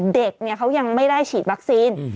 เด็กเขายังไม่ได้ฉีดวัคซีน